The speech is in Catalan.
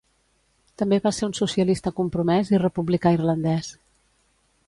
També va ser un socialista compromès i republicà irlandès.